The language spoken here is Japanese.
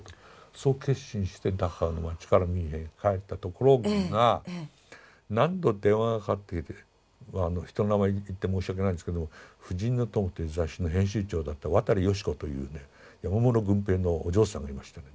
そう決心してダッハウの町からミュンヘンへ帰ったところが何度電話がかかってきてまあ人の名前言って申し訳ないんですけども「婦人之友」っていう雑誌の編集長だった渡善子というね山室軍平のお嬢さんがいましてね